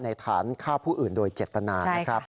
ฐานฆ่าผู้อื่นโดยเจตนานะครับ